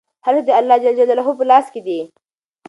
هر څه د الله په لاس کې دي.